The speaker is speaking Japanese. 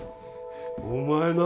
お前な